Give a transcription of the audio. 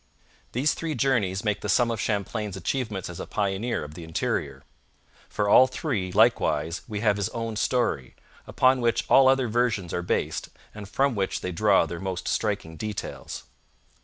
These three journeys make the sum of Champlain's achievements as a pioneer of the interior. For all three, likewise, we have his own story, upon which all other versions are based and from which they draw their most striking details.